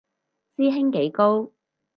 師兄幾高